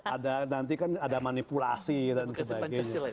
ada nanti kan ada manipulasi dan sebagainya